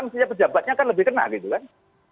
maksudnya pejabatnya kan lebih kena gitu kan